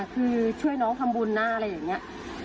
คือช่วยน้องทำบุญนะอะไรอย่างนี้